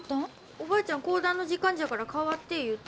おばあちゃん講談の時間じゃから代わって言うて。